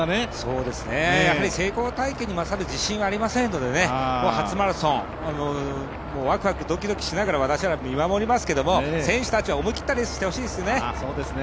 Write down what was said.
やはり成功体験に勝る自身はありませんので、初マラソン、ワクワク、ドキドキしながら私は見守りますけど選手たちは思い切ったレースをしてほしいですね。